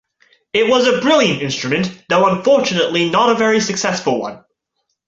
It was a brilliant instrument, though unfortunately not a very successful one.